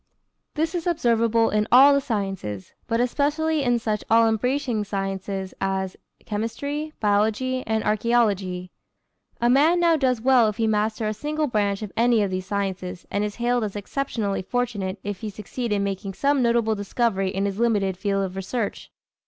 This is observable in all the sciences, but especially in such all embracing sciences as chemistry, biology, and archæology. A man now does well if he master a single branch of any of these sciences, and is hailed as exceptionally fortunate if he succeed in making some notable discovery in his limited field of research.